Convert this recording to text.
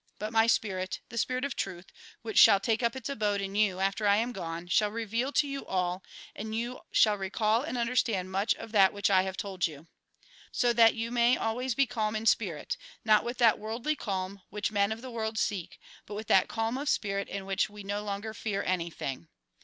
But my spirit, the spirit of truth, which shall take up its abode in you after I am gone, shall reveal to you all, and you shall recall and understand much of that which I have told you. So that you may always be calm in spirit, not with that worldly calm which men of the world seek, but with that calm of spirit in which we no longer fear anything.